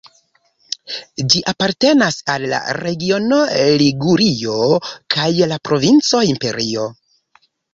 Ĝi apartenas al la regiono Ligurio kaj la provinco Imperio.